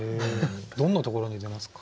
どんなところに出ますか？